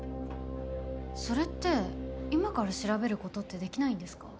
それって今から調べることってできないんですか？